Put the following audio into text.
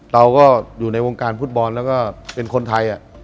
เราก็อยู่ในวงการฟุตบอลแล้วก็เป็นคนไทย